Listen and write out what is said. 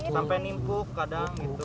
sampai nipu kadang gitu